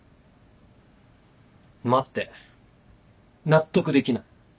待って納得できない。